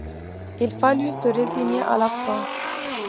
Il fallut se résigner à la faim.